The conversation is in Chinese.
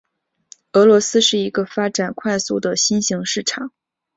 俄罗斯是一个发展快速的新型市场。